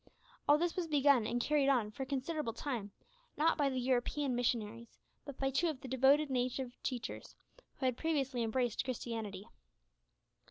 And all this was begun and carried on for a considerable time, not by the European missionaries but by two of the devoted native teachers, who had previously embraced Christianity.